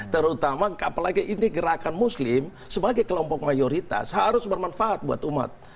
terutama apalagi ini gerakan muslim sebagai kelompok mayoritas harus bermanfaat buat umat